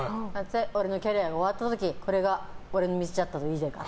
俺のキャリアが終わった時これが俺の道だったんだと。